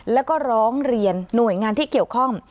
แล้วก็ร้องเรียนหน่วยงานที่เกี่ยวข้อง